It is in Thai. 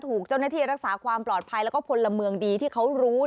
ถูกเจ้าหน้าที่รักษาความปลอดภัยแล้วก็พลเมืองดีที่เขารู้